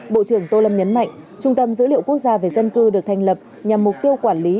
bộ trưởng tô lâm nhấn mạnh trung tâm dữ liệu quốc gia về dân cư được thành lập nhằm mục tiêu quản lý